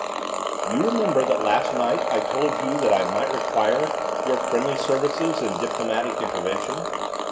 'You remember that last night I told you that I might require your friendly services in diplomatic intervention?